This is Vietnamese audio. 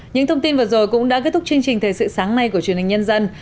những thông tin vừa rồi cũng đã kết thúc chương trình thời sự sáng nay của truyền hình nhân dân